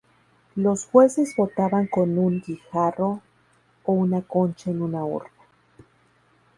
Los jueces votaban con un guijarro o una concha en una urna.